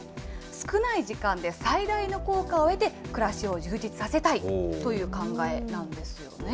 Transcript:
少ない時間で最大の効果を得て、暮らしを充実させたいという考えなんですね。